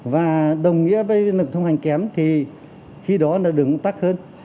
và đồng nghĩa với lực thông hành kém thì khi đó đường cũng tắc hơn